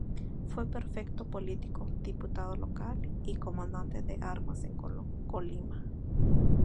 Fue prefecto político, Diputado Local, y Comandante de Armas en Colima.